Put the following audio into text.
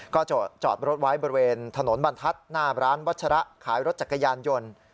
ก็จอดรถไว้บริเวณถนนบรรทัศน์หน้าร้านวัชระขายรถจักรยานยนต์